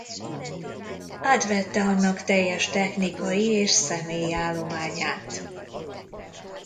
Átvette annak teljes technikai és személyi állományát.